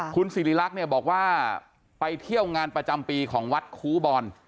คุณสิริรักษ์เนี่ยบอกว่าไปเที่ยวงานประจำปีของวัดคูบอล